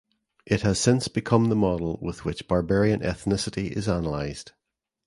It has since become the model with which "barbarian" ethnicity is analyzed.